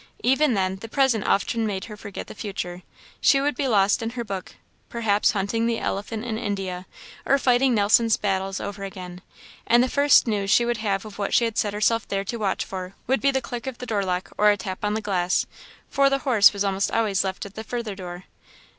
Even then, the present often made her forget the future; she would be lost in her book, perhaps hunting the elephant in India, or fighting Nelson's battles over again; and the first news she would have of what she had set herself there to watch for, would be the click of the door lock or a tap on the glass, for the horse was almost always left at the further door.